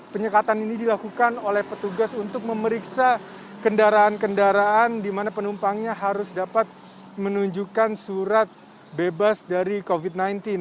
penyekatan ini dilakukan oleh petugas untuk memeriksa kendaraan kendaraan di mana penumpangnya harus dapat menunjukkan surat bebas dari covid sembilan belas